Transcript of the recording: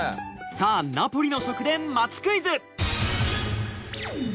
さあナポリの食でまちクイズ。